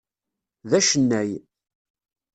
D acennay.